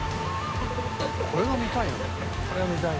これが見たい。